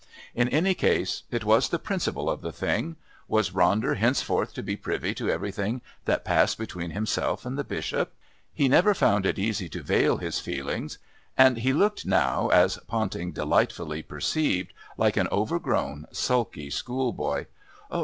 In any case, it was the principle of the thing. Was Ronder henceforth to be privy to everything that passed between himself and the Bishop? He never found it easy to veil his feelings, and he looked now, as Ponting delightedly perceived, like an overgrown, sulky schoolboy.